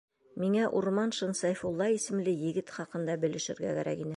Миңә Урманшин Сәйфулла исемле егет хаҡында белешергә кәрәк ине.